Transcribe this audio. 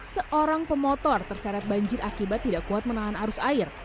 seorang pemotor terseret banjir akibat tidak kuat menahan arus air